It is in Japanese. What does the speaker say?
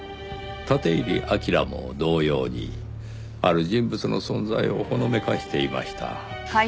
立入章も同様にある人物の存在をほのめかしていました。